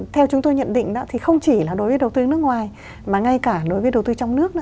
theo chúng tôi nhận định thì không chỉ là đối với đầu tư nước ngoài mà ngay cả đối với đầu tư trong nước